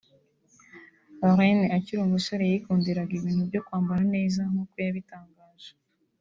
Lauren akiri umusore yikundiraga ibintu byo kwambara neza nk’uko yabitangaje